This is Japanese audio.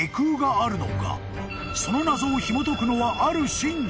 ［その謎をひもとくのはある神事］